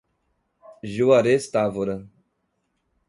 Juarez Távora